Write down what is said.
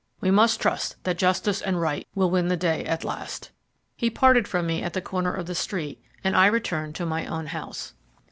"We must trust that justice and right will win the day at last." He parted from me at the corner of the street, and I returned to my own house.